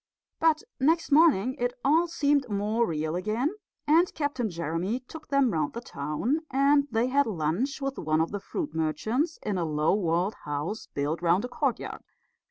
But next morning it all seemed more real again, and Captain Jeremy took them round the town; and they had lunch with one of the fruit merchants in a low walled house built round a courtyard.